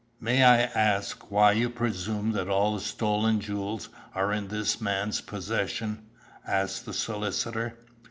"May I ask why you presume that all the stolen jewels are in this man's possession?" asked the solicitor.